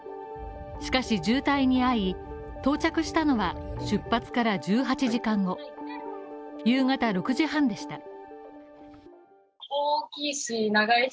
しかし、渋滞に遭い、到着したのは出発から１８時間後、夕方６時半でした。